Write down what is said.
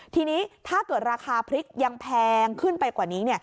ทีนี้ถ้าเกิดราคาพริกยังแพงขึ้นไปกว่านี้